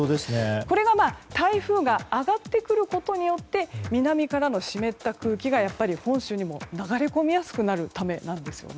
これが台風が上がってくることによって南からの湿った空気が本州にも流れ込みやすくなるためなんです。